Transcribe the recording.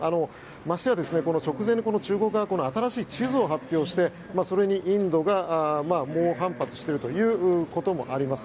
ましてや直前に中国側は新しい地図を発表してそれにインドが猛反発しているということもあります。